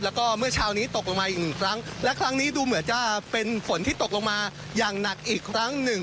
แล้วก็เมื่อเช้านี้ตกลงมาอีกหนึ่งครั้งและครั้งนี้ดูเหมือนจะเป็นฝนที่ตกลงมาอย่างหนักอีกครั้งหนึ่ง